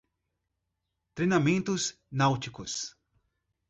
Treinamentos náuticos